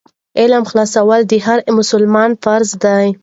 علم حاصلول د هر مسلمان فرض دی.